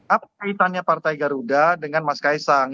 apa kaitannya partai garuda dengan mas kaisang